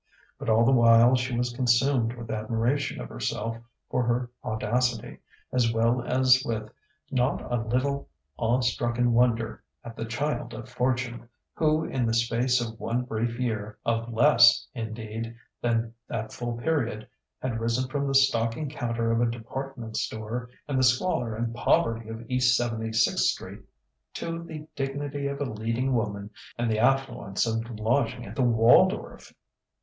But all the while she was consumed with admiration of herself for her audacity, as well as with not a little awe stricken wonder at the child of fortune, who in the space of one brief year of less, indeed, than that full period had risen from the stocking counter of a department store and the squalor and poverty of East Seventy sixth Street to the dignity of a leading woman and the affluence of lodging at the Waldorf!